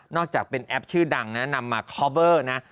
อกจากเป็นแอปชื่อดังนะนำมาคอเวอร์นะ